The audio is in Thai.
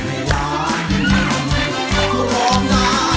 เสียด้วยกันคุณเอง